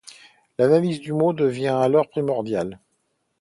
L'analyse du mot devient alors primordiale.